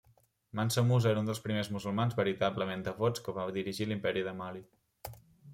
Mansa Musa era un dels primers musulmans veritablement devots que va dirigir l'Imperi de Mali.